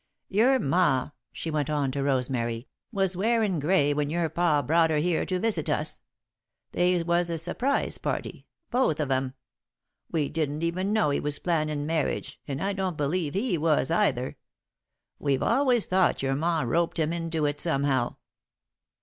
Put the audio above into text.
"Your ma," she went on, to Rosemary, "was wearin' grey when your pa brought her here to visit us. They was a surprise party both of 'em. We didn't even know he was plannin' marriage and I don't believe he was, either. We've always thought your ma roped him into it, somehow."